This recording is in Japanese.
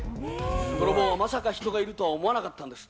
泥棒はまさか人がいるとは思わなかったんです。